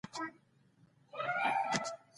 موزیلا عام غږ د پښتو ژبې پرمختګ لپاره یو مهم ګام دی.